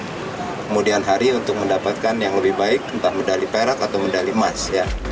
kemudian hari untuk mendapatkan yang lebih baik entah medali perak atau medali emas